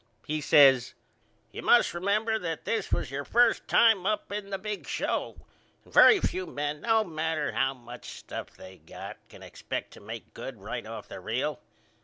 He says You must remember that this was your first time up in the big show and very few men no matter how much stuff they got can expect to make good right off the reel.